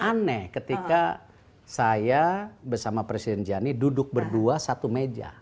aneh ketika saya bersama presiden jani duduk berdua satu meja